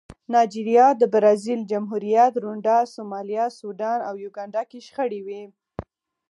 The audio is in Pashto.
نایجریا، د برازاویل جمهوریت، رونډا، سومالیا، سوډان او یوګانډا کې شخړې وې.